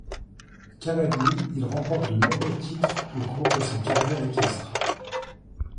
Cavalier, il remporte de nombreux titres au cours de sa carrière équestre.